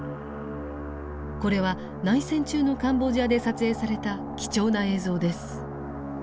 これは内戦中のカンボジアで撮影された貴重な映像です。